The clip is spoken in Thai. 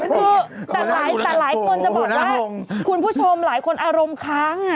คือแต่หลายคนจะบอกว่าคุณผู้ชมหลายคนอารมณ์ค้าง